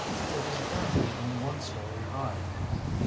It was apparently only one story high.